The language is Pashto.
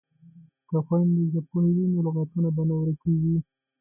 که خویندې ژبپوهې وي نو لغاتونه به نه ورکیږي.